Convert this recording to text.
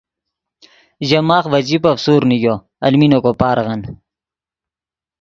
ژے ماخ ڤے جیبف سورڤ نیگو المین کو پارغن